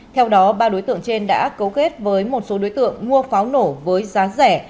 theo đó ba đối tượng trên đã cấu kết với một số đối tượng mua pháo nổ với giá rẻ